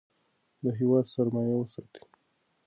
د هیواد سرمایه وساتئ.